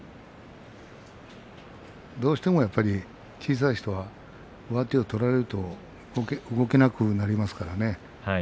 どうしても小さい人は上手を取られると動けなくなりますからね。